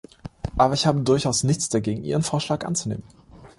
Aber ich habe durchaus nichts dagegen, Ihren Vorschlag anzunehmen.